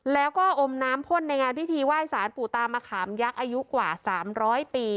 แล้วก็อมน้ำพ่นในงานพิธีไหว้สารปู่ตามะขามยักษ์อายุกว่า๓๐๐ปี